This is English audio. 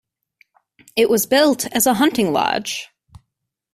It was built as a hunting lodge.